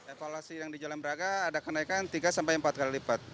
evaluasi yang di jalan braga ada kenaikan tiga sampai empat kali lipat